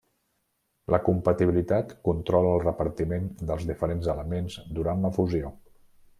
La compatibilitat controla el repartiment dels diferents elements durant la fusió.